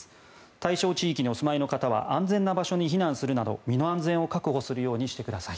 対象地域にお住まいの方は安全な場所に避難するなど身の安全を確保するようにしてください。